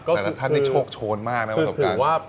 แต่ละท่านได้โชคโชนมากนะประสบการณ์